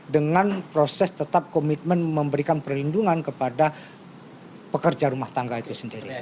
dengan proses tetap komitmen memberikan perlindungan kepada pekerja rumah tangga itu sendiri